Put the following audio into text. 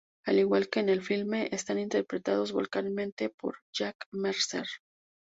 Al igual que en el filme, están interpretados vocalmente por Jack Mercer.